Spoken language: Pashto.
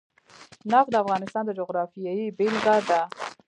نفت د افغانستان د جغرافیې بېلګه ده.